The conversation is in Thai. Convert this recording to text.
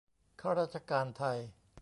ข้าราชการไทย !